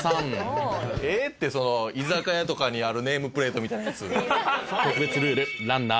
ええって居酒屋とかにあるネームプレートみたいなやつ。